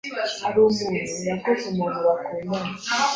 Hari umuntu, yakoze umuntu bakundana